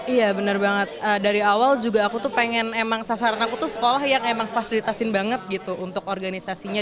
iya bener banget dari awal juga aku tuh pengen emang sasaran aku tuh sekolah yang emang fasilitasin banget gitu untuk organisasinya